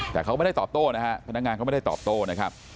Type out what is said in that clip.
แต่เขาก็ไม่ได้ตอบโต้นะฮะพนักงานเขาไม่ได้ตอบโต้นะครับ